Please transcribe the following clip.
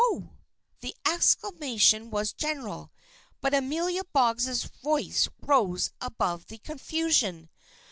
"Oh!" The exclamation was general. But Amelia Boggs' voice rose above the confusion.